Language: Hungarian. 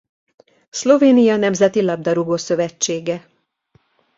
Szlovénia nemzeti labdarúgó-szövetsége.